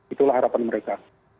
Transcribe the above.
itulah harapan mereka